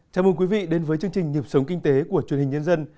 chào mừng quý vị đến với chương trình nhịp sống kinh tế của truyền hình nhân dân